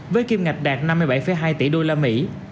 với kim ngạch đạt năm mươi bảy hai tỷ đô la mỹ